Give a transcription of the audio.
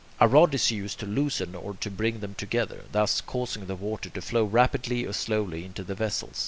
A rod is used to loosen or to bring them together, thus causing the water to flow rapidly or slowly into the vessels.